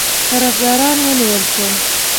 طرفداران ونیول شول.